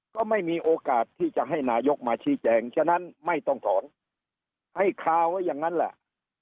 ก็ไม่มีโอกาสที่จะให้นายกมาชี้แจงฉะนั้นไม่ต้องถอนให้คาไว้อย่างนั้นแหละ